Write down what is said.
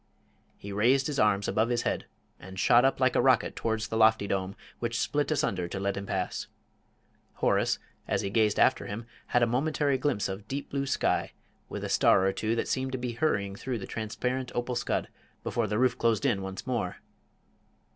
He raised his arms above his head, and shot up like a rocket towards the lofty dome, which split asunder to let him pass. Horace, as he gazed after him, had a momentary glimpse of deep blue sky, with a star or two that seemed to be hurrying through the transparent opal scud, before the roof closed in once more.